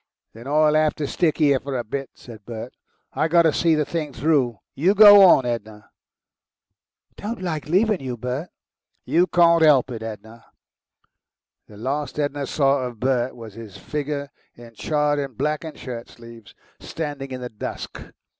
"Then I'll have to stick 'ere for a bit," said Bert. "I got to see the thing through. You go on, Edna." "Don't like leavin' you, Bert." "You can't 'elp it, Edna."... The last Edna saw of Bert was his figure, in charred and blackened shirtsleeves, standing in the dusk.